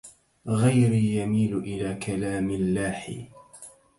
غيري يميل إلى كلام اللاحي